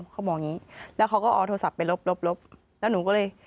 เขาบอกอย่างงี้แล้วเขาก็เอาโทรศัพท์ไปลบลบแล้วหนูก็เลย